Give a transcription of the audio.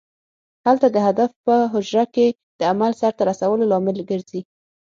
هلته د هدف په حجره کې د عمل سرته رسولو لامل ګرځي.